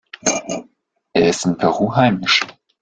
Er ist in Peru heimisch.